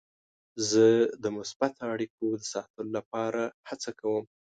زه د مثبتو اړیکو د ساتلو لپاره هڅه کوم.